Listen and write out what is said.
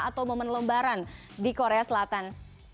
atau momen lembaran di korea selatan